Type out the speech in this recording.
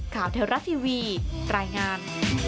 ข่าวเทลรัฐทีวีตรายงาน